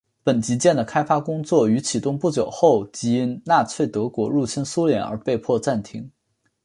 本级舰的开发工作于启动不久后即因纳粹德国入侵苏联而被迫暂停。